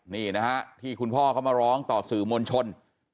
นี่นะฮะที่คุณพ่อเขามาร้องต่อสื่อมวลชน